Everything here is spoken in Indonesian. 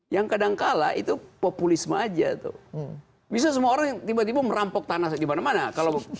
yang kadangkala itu populisme aja tuh bisa semua orang yang tiba tiba merampok tanah dimana mana kalau